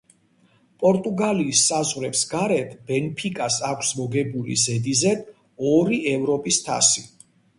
პორტუგალიის საზღვრებს გარეთ, „ბენფიკას“ აქვს მოგებული ზედიზედ ორი ევროპის თასი.